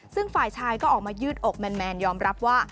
ซึ่งฝ่ายชายก็ออกมายืดอกแมนยอมรับว่า